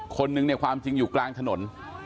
คนนึงเนี่ยความจริงอยู่กลางถนน